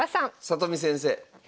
里見先生。